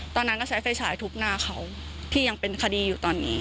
ตอนนั้นก็ใช้ไฟฉายทุบหน้าเขาที่ยังเป็นคดีอยู่ตอนนี้